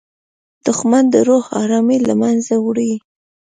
دښمن د روح ارامي له منځه وړي